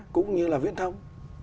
cũng như là viễn thông